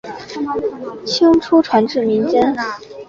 清初传至民间。